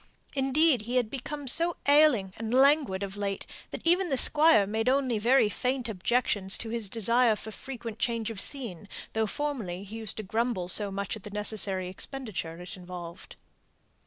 Indeed, he had become so ailing and languid of late, that even the Squire made only very faint objections to his desire for frequent change of scene, though formerly he used to grumble so much at the necessary expenditure it involved.